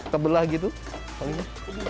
kebelah gitu palingnya